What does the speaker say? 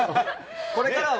これからは。